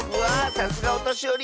さすがおとしより